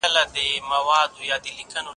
کشيشانو په خلګو ډېر تاثير درلودلای سو.